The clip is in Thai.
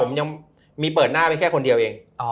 ผมยังมีเปิดหน้าไปแค่คนเดียวเอง